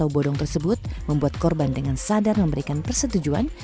modus file undangan pernikahan tersebut membuat korban dengan sadar memberikan persetujuan